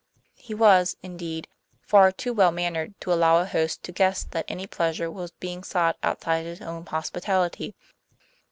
He was, indeed, far too well mannered to allow a host to guess that any pleasure was being sought outside his own hospitality.